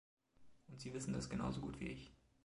Und Sie wissen das genauso gut wie ich.